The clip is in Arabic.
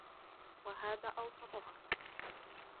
وَهَذَا أَوْسَطُهَا